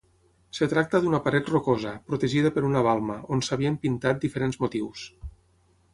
Es tracta d'una paret rocosa, protegida per una balma, on s'havien pintat diferents motius.